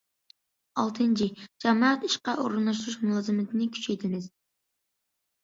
ئالتىنچى، جامائەت ئىشقا ئورۇنلاشتۇرۇش مۇلازىمىتىنى كۈچەيتىمىز.